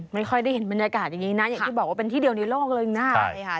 ไม่ค่อยได้เห็นบรรยากาศอย่างนี้นะอย่างที่บอกว่าเป็นที่เดียวในโลกเลยนะ